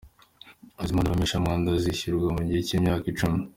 Izi mpapuro mpeshwamwenda zizishyurwa mu gihe cy’imyaka icumi.